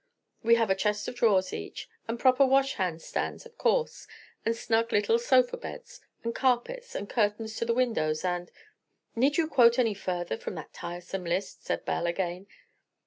We have a chest of drawers each, and proper washhand stands of course, and snug little sofa beds, and carpets, and curtains to the windows, and——" "Need you quote any further from that tiresome list?" said Belle again.